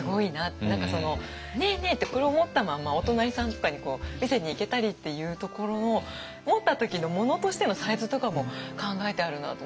何か「ねえねえ」ってこれを持ったまんまお隣さんとかに見せに行けたりっていうところの持った時の物としてのサイズとかも考えてあるなと思ってすごいと。